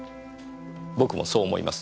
僕もそう思います。